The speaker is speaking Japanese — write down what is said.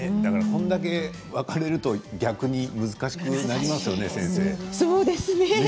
これだけ分かれると逆に難しくなりますよね